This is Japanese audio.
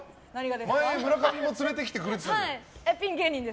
前、村上も連れてきてくれてたじゃん。